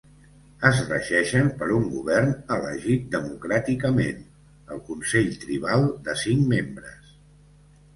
Es regeixen per un govern elegit democràticament, el Consell Tribal de cinc membres.